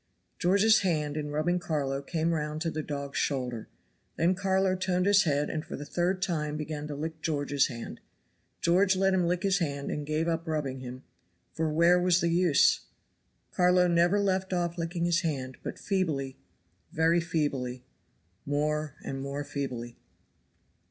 George's hand in rubbing Carlo came round to the dog's shoulder, then Carlo turned his head and for the third time began to lick George's hand. George let him lick his hand and gave up rubbing him, for where was the use? Carlo never left off licking his hand, but feebly, very feebly, more and more feebly.